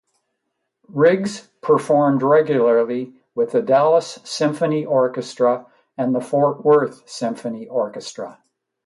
Riggs performed regularly with the Dallas Symphony Orchestra and the Fort Worth Symphony Orchestra.